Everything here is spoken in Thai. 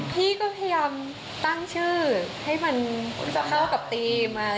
พี่ก็พยายามตั้งชื่อให้มันจะเข้ากับธีม